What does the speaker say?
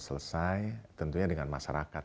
selesai tentunya dengan masyarakat